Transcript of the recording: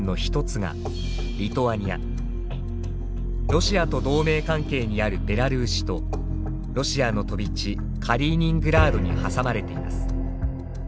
ロシアと同盟関係にあるベラルーシとロシアの飛び地カリーニングラードに挟まれています。